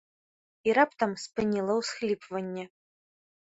І раптам спыніла ўсхліпванне.